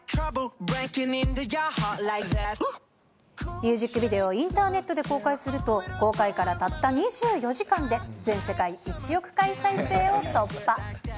ミュージックビデオをインターネットで公開すると、公開からたった２４時間で、全世界１億回再生を突破。